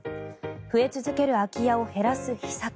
増え続ける空き家を減らす秘策。